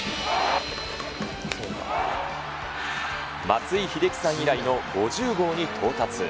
松井秀喜さん以来の５０号に到達。